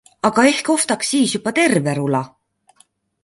Aga ehk ostaks siis juba terve rula?